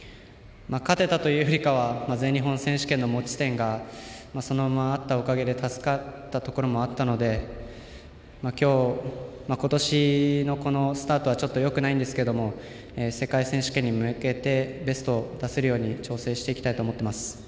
勝てたというよりかは全日本選手権の持ち点がそのままあったことで助かったところがあったので今日、今年のスタートはちょっとよくないんですけど世界選手権に向けてベストを出せるように調整したいと思います。